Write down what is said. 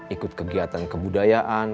ikut kegiatan kebudayaan